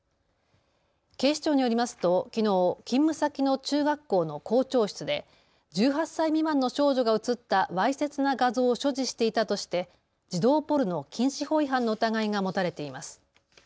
警視庁によりますときのう、勤務先の中学校の校長室で１８歳未満の少女が写ったわいせつな画像を所持していたとして児童ポルノ禁止法違反の疑いが持たれています。